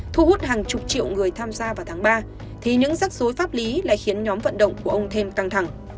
thu hút hàng chục triệu người tham gia vào tháng ba thì những rắc rối pháp lý lại khiến nhóm vận động của ông thêm căng thẳng